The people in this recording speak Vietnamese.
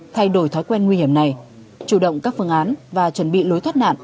thay đổi thói quen nguy hiểm này chủ động các phương án và chuẩn bị lối thoát nạn